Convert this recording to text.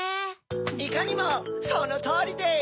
イカにもそのとおりでい！